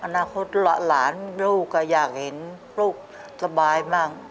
อนาคตหลานลูกก็อยากเห็นลูกสบายบ้าง